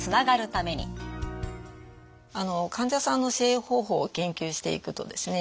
患者さんの支援方法を研究していくとですね